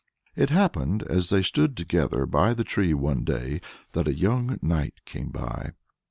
It happened, as they stood together by the tree, one day, that a young knight came by.